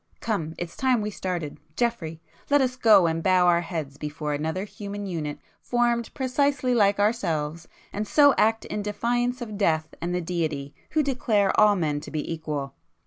Come, it's time we started, Geoffrey!—let us go and bow our heads before another human unit formed precisely like ourselves, and so act in defiance of Death and the Deity, who declare all men to be equal!"